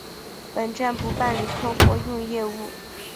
本站不办理客货运业务。